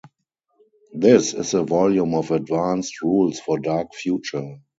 This is a volume of advanced rules for Dark Future.